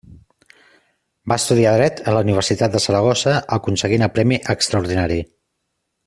Va estudiar Dret en la Universitat de Saragossa aconseguint el Premi Extraordinari.